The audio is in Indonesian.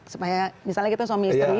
supaya misalnya kita suami istri